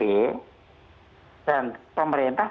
dan pemerintah itu mengakomodasikan keinginan masyarakat spsb